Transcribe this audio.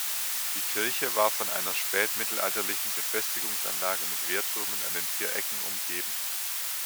Die Kirche war von einer spätmittelalterlichen Befestigungsanlage mit Wehrtürmen an den vier Ecken umgeben.